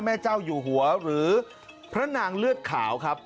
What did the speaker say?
แม่เจ้าอยู่หัวหรือพระนางเลือดขาวครับ